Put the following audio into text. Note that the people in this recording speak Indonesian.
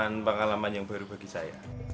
ini merupakan pengalaman yang baru bagi saya